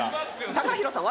ＴＡＫＡＨＩＲＯさん